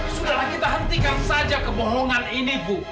sudahlah kita hentikan saja kebohongan ini bu